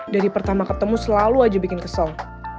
dari pertama ketemu selalu aja bikin kesel